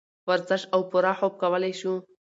ورزش او پوره خوب کولے شو -